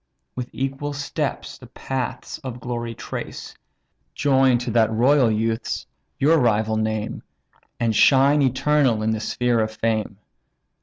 With equal steps the paths of glory trace; Join to that royal youth's your rival name, And shine eternal in the sphere of fame.